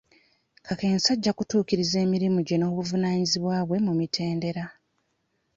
Kakensa ajja kutuukiriza emirimu gye n'obuvunaanyizibwa bwe mu mitendera.